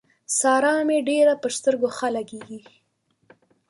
سارا مې ډېره پر سترګو ښه لګېږي.